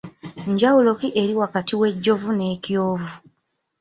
Njawulo ki eri wakati w’ejjovu n’ekyovu?